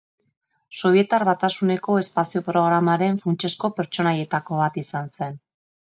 Sobietar Batasuneko espazio programaren funtsezko pertsonaietako bat izan zen.